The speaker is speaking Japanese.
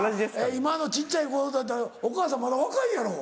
今の小っちゃい子だったらお母さんまだ若いやろ。